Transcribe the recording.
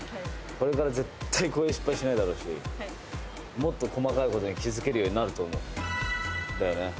これから絶対こういう失敗しないだろうしもっと細かいことに気付けるようになると思うんだよ。